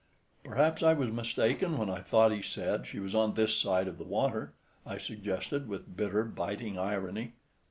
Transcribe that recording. "Perhaps I was mistaken when I thought he said she was on this side of the water," I suggested, with bitter, biting irony.